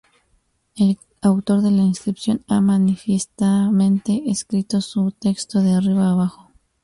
El autor de la inscripción ha manifiestamente escrito su texto de arriba a abajo.